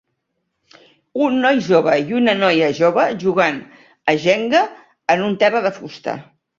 Un noi jove i una noia jove jugant a Jenga en un terra de fusta.